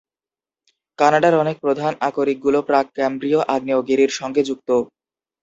কানাডার অনেক প্রধান আকরিকগুলো প্রাক-ক্যামব্রীয় আগ্নেয়গিরির সঙ্গে যুক্ত।